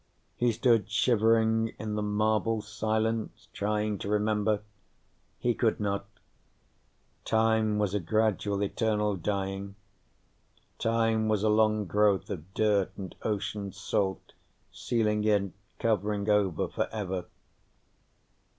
He stood shivering in the marble silence, trying to remember. He could not. Time was a gradual eternal dying. Time was a long growth of dirt and ocean salt, sealing in, covering over forever.